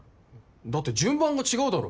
だって順番が違うだろ。